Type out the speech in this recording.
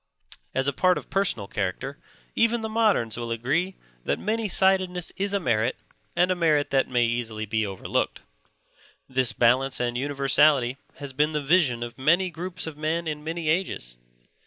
As a part of personal character, even the moderns will agree that many sidedness is a merit and a merit that may easily be overlooked. This balance and universality has been the vision of many groups of men in many ages.